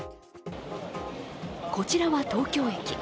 こちらは東京駅。